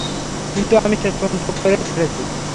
কিন্তু আমি শেষ পর্যন্ত করে ছেড়েছি!